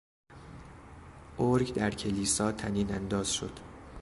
ارگ در کلیسا طنینانداز شد.